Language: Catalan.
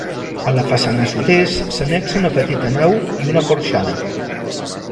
A la façana sud-est s'annexa una petita nau i una porxada.